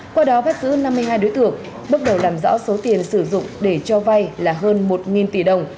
qua đó bắt giữ năm mươi hai đối tượng bước đầu làm rõ số tiền sử dụng để cho vay là hơn một tỷ đồng